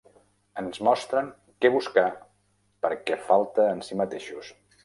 Ens mostren què buscar perquè falta en si mateixos.